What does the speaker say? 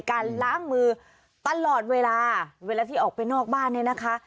การล้างมือตลอดเวลาเวลาที่ออกไปนอกบ้านเนี่ยนะคะ